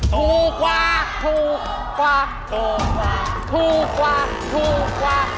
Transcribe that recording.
ถูกกว่าถูกกว่าถูกกว่าถูกกว่าถูกกว่า